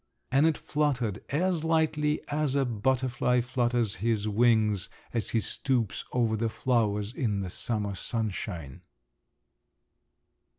And it fluttered as lightly as a butterfly flutters his wings, as he stoops over the flowers in the summer sunshine.